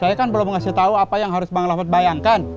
wih saya kan belum ngasih tau apa yang harus bang lahmut bayangkan